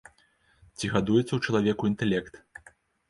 Ці гадуецца ў чалавеку інтэлект?